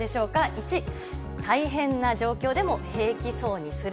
１、大変な状況でも平気そうにする。